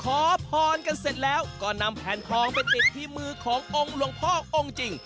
ขอพรกันเสร็จแล้วก็นำแผ่นคลองไปติดที่มือขององค์หลวงพ่อองค์จริง